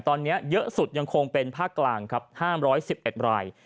ตอนนี้เยอะสุดยังคงเป็นภาคกลางครับ๕๑๑ราย